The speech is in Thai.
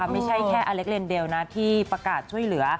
ไม่ใช่แค่อเล็กเลนเดลนะที่ประกาศช่วยเหลือ